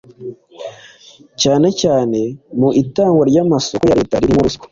cyane cyane mu itangwa ry’amasoko ya Leta ririmo ruswa